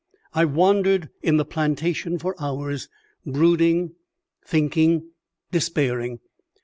I wandered in the plantation for hours, brooding, thinking, despairing.